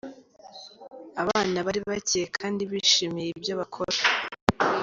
Abana bari bakeye kdi bishimiye ibyo bakora.